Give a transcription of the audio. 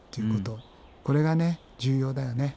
これが重要だよね。